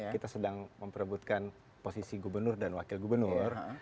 kita sedang memperebutkan posisi gubernur dan wakil gubernur